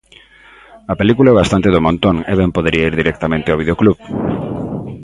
A película é bastante do montón e ben podería ir directamente ao videoclub.